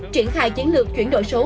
triển khai chiến lược chuyển đổi số